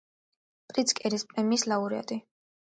პრიცკერის პრემიის ლაურეატი.